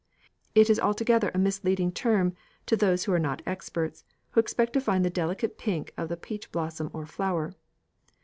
It is altogether a misleading term to those who are not experts, who expect to find the delicate pink of the peach blossom or flower.